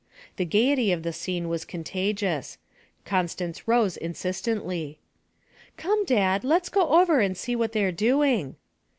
The gaiety of the scene was contagious. Constance rose insistently. 'Come, Dad; let's go over and see what they're doing.'